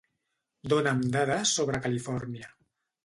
Dona'm dades sobre Califòrnia.